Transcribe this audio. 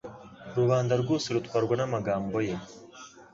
rubanda rwose rutwarwa n'amagambo ye.